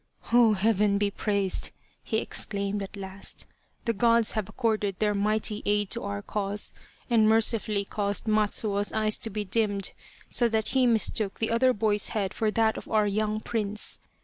" Oh, Heaven be praised !" he exclaimed at last. " The Gods have accorded their mighty aid to our cause and mercifully caused Matsuo's eyes to be dimmed, so that he mistook the other boy's head for that of our young prince.